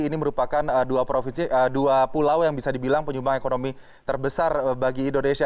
ini merupakan dua pulau yang bisa dibilang penyumbang ekonomi terbesar bagi indonesia